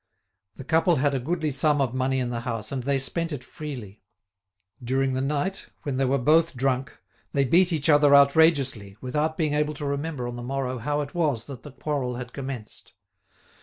The couple had a goodly sum of money in the house, and they spent it freely. During the night, when they were both drunk, they beat each other outrageously, without being able to remember on the morrow how it was that the quarrel had commenced.